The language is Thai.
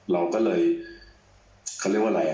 เราก็เลยเขาเรียกว่าอะไร